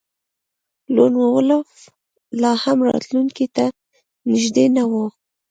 لون وولف لاهم راتلونکي ته نږدې نه و